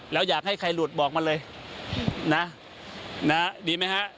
แล้วอยากให้ใครหลุดบอกมาเลยนะดีไหมฮะ